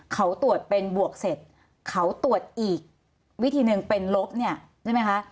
เขาตรวจเป็นบวกเสร็จเขาตรวจอีกวิธีหนึ่งเป็นลบเนี่ยใช่ไหมคะ